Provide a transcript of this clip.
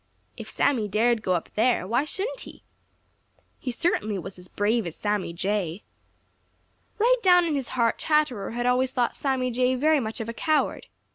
If Sammy dared go up there, why shouldn't he? He certainly was as brave as Sammy Jay! Right down in his heart Chatterer had always thought Sammy Jay very much of a coward.